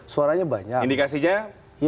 suaranya banyak indikasinya